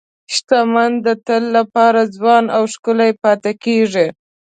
شتمن د تل لپاره ځوان او ښکلي پاتې کېږي.